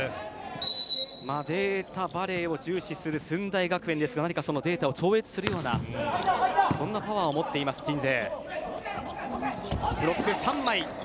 データバレーを重視する駿台学園ですが、何かそのデータを超越するようなそんなパワーを持っています鎮西。